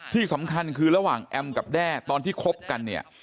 ที่สำคัญคือระหว่างแอมกับแด้ตอนที่คบกันเนี่ย